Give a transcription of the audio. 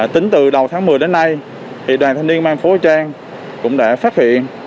tính từ đầu tháng một mươi đến nay đoàn thanh niên mang phố trang cũng đã phát hiện